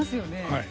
はい。